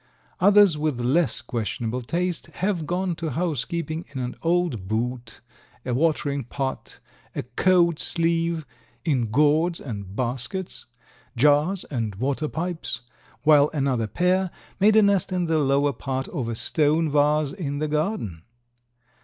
Others with less questionable taste, have gone to housekeeping in an old boot, a watering pot, a coat sleeve; in gourds and baskets, jars and water pipes, while another pair made a nest in the lower part of a stone vase in the garden.